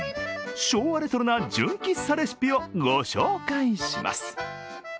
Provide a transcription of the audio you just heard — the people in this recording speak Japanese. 昭和レトロな純喫茶レシピをご紹介します。